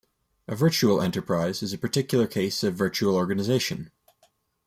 A virtual enterprise is a particular case of virtual organization.